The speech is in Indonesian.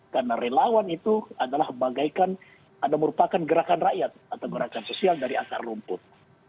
karena relawan itu adalah merupakan gerakan rakyat atau gerakan sosial dari atas rumput